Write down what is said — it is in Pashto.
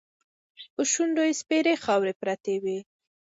په شونډو یې سپېرې خاوې پرتې وې.